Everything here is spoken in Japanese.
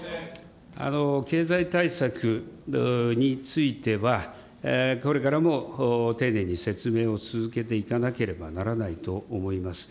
経済対策については、これからも丁寧に説明を続けていかなければならないと思います。